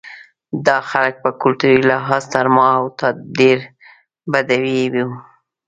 دا خلک په کلتوري لحاظ تر ما او تا ډېر بدوي وو.